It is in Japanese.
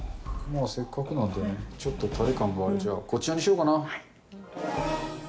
まあ、せっかくなんでね、ちょっと垂れ感のある、こちらにしようかな。